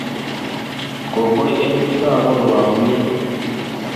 Kongoi eng yake arorwa komnye